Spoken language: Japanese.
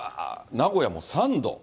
名古屋も３度。